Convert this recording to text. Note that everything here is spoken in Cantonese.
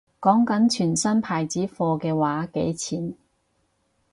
講緊全新牌子貨嘅話幾錢